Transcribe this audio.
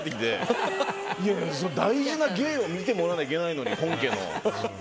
大事な芸を見てもらわなきゃいけないのに、本家の。